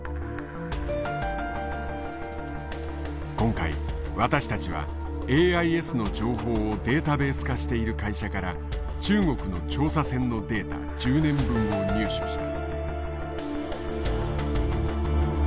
今回私たちはＡＩＳの情報をデータベース化している会社から中国の調査船のデータ１０年分を入手した。